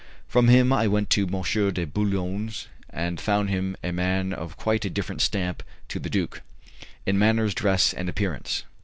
From him I went to M. de Boulogne's, and found him a man of quite a different stamp to the duke in manners, dress, and appearance.